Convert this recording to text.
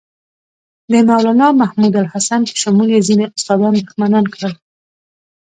د مولنا محمودالحسن په شمول یې ځینې استادان دښمنان کړل.